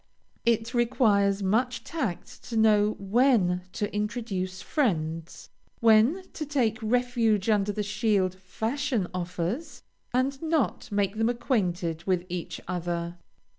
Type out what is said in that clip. It requires much tact to know when to introduce friends, when to take refuge under the shield fashion offers, and not make them acquainted with each other.